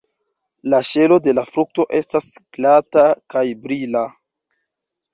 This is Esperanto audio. La ŝelo de la frukto estas glata kaj brila.